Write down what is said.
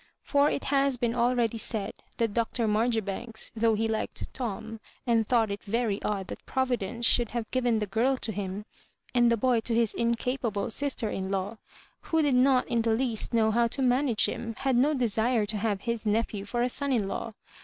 For it has been already said that Dr. Marjoribanks, though he liked Tom, and thought it very odd that Providence should have given the girl to him, and the boy to his in Digitized by VjOOQIC 94 MISS MAJUOBIBANKa capable sister'in law, who did not in the least know how to manage him, had no desire to have his nephew for a son in law.